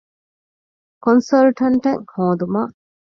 ކޮންސަލްޓަންޓެއް ހޯދުމަށް